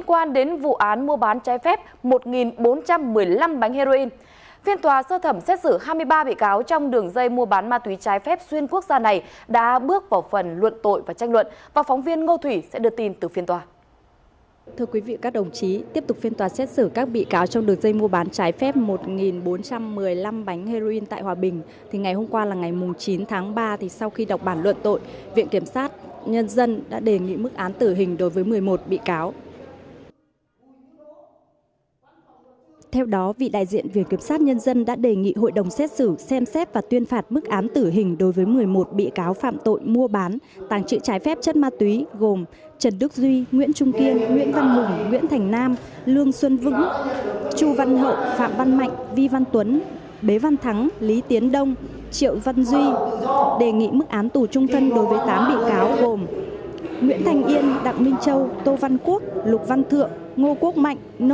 các vị đại diện viện kiểm soát nhân dân đã đề nghị hội đồng xét xử xem xét và tuyên phạt mức án tử hình đối với một mươi một bị cáo phạm tội mua bán tàng trị trái phép chất ma túy gồm trần đức duy nguyễn trung kiên nguyễn văn hùng nguyễn thành nam lương xuân vững chu văn hậu phạm văn mạnh vi văn tuấn bế văn thắng lý tiến đông triệu văn duy đề nghị mức án tù trung thân đối với tám bị cáo gồm nguyễn thành yên đặng minh châu tô văn quốc lục văn thượng ngô quốc mạnh n